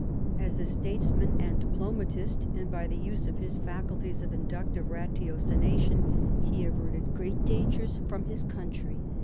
As a statesman and diplomatist, and by the use of his faculties of inductive ratiocination, he averted great dangers from his country.